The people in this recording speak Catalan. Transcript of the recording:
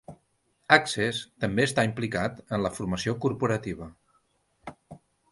Access també està implicat en la formació corporativa.